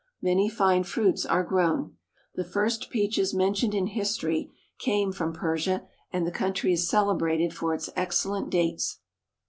Many fine fruits are grown. The first peaches mentioned in history came from Persia, and the country is celebrated for its excellent dates.